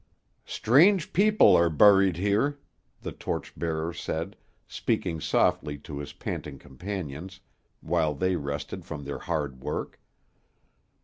"Strange people are buried here," the torch bearer said, speaking softly to his panting companions, while they rested from their hard work.